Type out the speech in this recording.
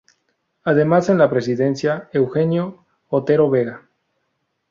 Además, en la presidencia, Eugenio Otero Vega.